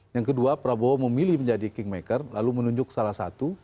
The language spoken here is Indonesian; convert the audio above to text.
yang kedua prabowo memilih menjadi kingmaker lalu menunjuk salah satu